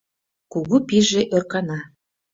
Кугу пийже ӧркана.